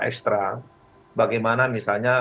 ekstra bagaimana misalnya